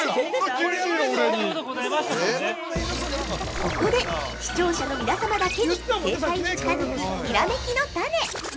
◆ここで視聴者の皆様だけに正解に近づくひらめきのタネ。